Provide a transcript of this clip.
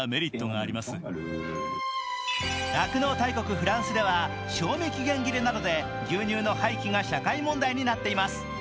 フランスでは賞味期限切れなどで牛乳の廃棄が社会問題になっています。